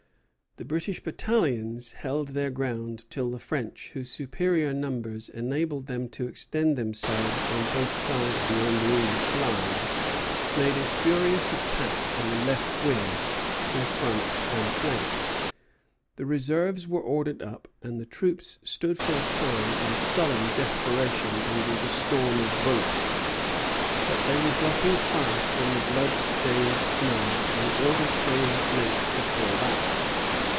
The British battalions held their ground till the French, whose superior numbers enabled them to extend themselves on both sides beyond the English line, made a furious attack on the left wing, in front and flank. The reserves were ordered up, and the troops stood for a time in sullen desperation under the storm of bullets; but they were dropping fast in the blood stained snow, and the order came at length to fall back.